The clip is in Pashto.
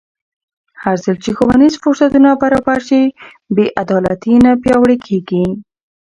هرځل چې ښوونیز فرصتونه برابر شي، بې عدالتي نه پیاوړې کېږي.